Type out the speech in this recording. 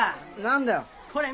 何だよ？